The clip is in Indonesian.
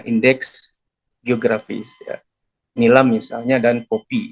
indeks geografis nilai misalnya dan kopi